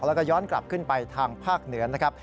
แล้วก็ย้อนกลับขึ้นไปทางภาคเหนือนะครับ